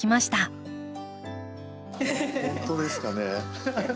本当ですかね。